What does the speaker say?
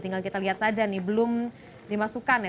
tinggal kita lihat saja nih belum dimasukkan ya